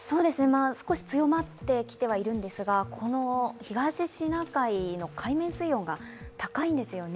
少し強まってきてはいるんですが東シナ海の海面水温が高いんですよね。